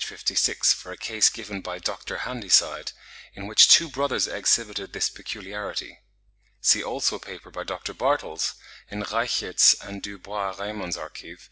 56, for a case given by Dr. Handyside, in which two brothers exhibited this peculiarity; see also a paper by Dr. Bartels, in 'Reichert's and du Bois Reymond's Archiv.